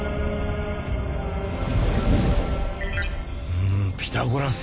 うんピタゴラス。